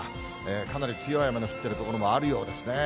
かなり強い雨の降っている所もあるようですね。